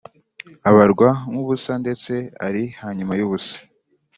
Abarwa nk ubusa ndetse ari hanyuma y ubusa